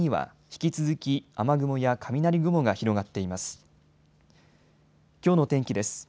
きょうの天気です。